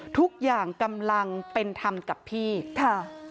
ทุกอย่างกำลังเป็นธรรมกับพี่ค่ะ